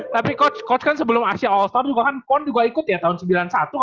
tapi coach coach kan sebelum asia all star pun kan pon juga ikut ya tahun sembilan puluh satu kalo gak salah ya